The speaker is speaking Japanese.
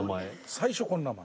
最初この名前。